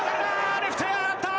レフトへ上がった！